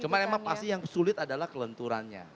cuma emang pasti yang sulit adalah kelenturannya